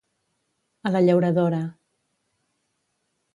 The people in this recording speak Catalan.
A la llauradora.